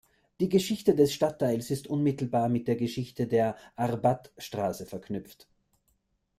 Die Geschichte des Stadtteils ist unmittelbar mit der Geschichte der Arbat-Straße verknüpft.